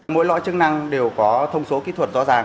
mỗi lõi chức năng đều có thông số kỹ thuật rõ ràng